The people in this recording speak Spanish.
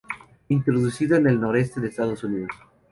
Introducido en el Noreste de Estados Unidos.